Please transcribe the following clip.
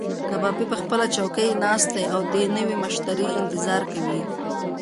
کبابي په خپله چوکۍ ناست دی او د نوي مشتري انتظار کوي.